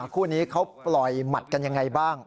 คู่นี้เขาปล่อยหมัดกันยังไงบ้าง